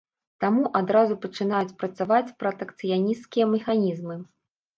Там адразу пачынаюць працаваць пратэкцыянісцкія механізмы.